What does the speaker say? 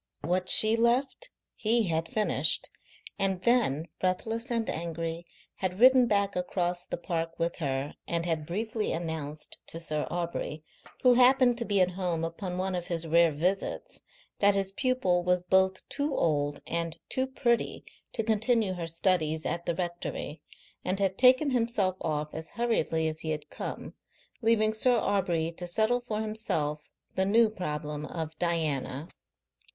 What she left he had finished, and then, breathless and angry, had ridden back across the park with her and had briefly announced to Sir Aubrey, who happened to be at home upon one of his rare visits, that his pupil was both too old and too pretty to continue her studies at the rectory, and had taken himself off as hurriedly as he had come, leaving Sir Aubrey to settle for himself the new problem of Diana.